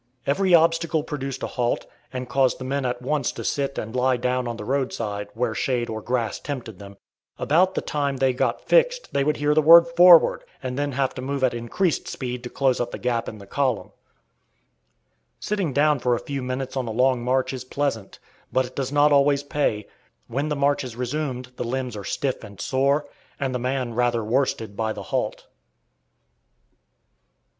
Every obstacle produced a halt, and caused the men at once to sit and lie down on the roadside where shade or grass tempted them; about the time they got fixed they would hear the word "forward!" and then have to move at increased speed to close up the gap in the column. Sitting down for a few minutes on a long march is pleasant, but it does not always pay; when the march is resumed the limbs are stiff and sore, and the man rather worsted by the halt.